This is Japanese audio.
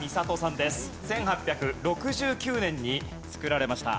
１８６９年に造られました。